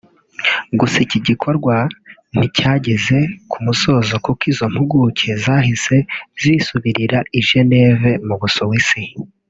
Gusa iki gikorwa nticyageze ku musozo kuko izo mpuguke zahise zisubirira i Geneve mu Busuwisi